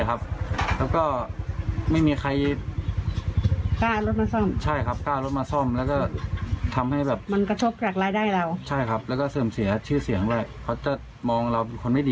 แล้วก็ไม่มีใครกล้ารถมาซ่อมใช่ครับกล้ารถมาซ่อม